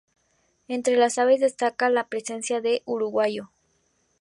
Entre las aves destaca la presencia de urogallo.